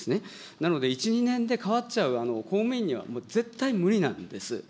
なので１、２年でかわっちゃう公務員には絶対無理なんです。